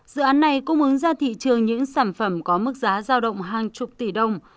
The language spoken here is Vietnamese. dự án này cung ứng ra thị trường những sản phẩm có mức giá giao động hàng chục tỷ đồng